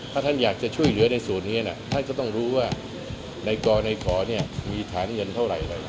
ถ้าท่านอยากจะช่วยเหลือในส่วนนี้ท่านก็ต้องรู้ว่าในกรในขอมีฐานเงินเท่าไหร่อะไร